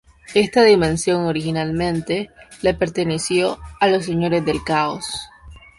Esta dimensión originalmente le perteneció a los "Señores del Caos".